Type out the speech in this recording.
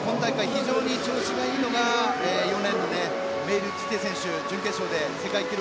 非常に調子がいいのが４レーンのメイルティテ準決勝で世界記録